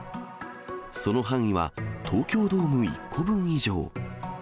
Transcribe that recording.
その範囲は東京ドーム１個分以上。